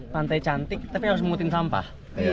pantai cantik tapi harus memutin sampah